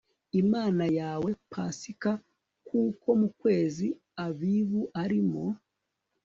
imana yawe pasika kuko mu kwezi abibu ari mo